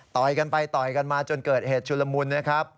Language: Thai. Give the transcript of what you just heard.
กันไปต่อยกันมาจนเกิดเหตุชุลมุนนะครับ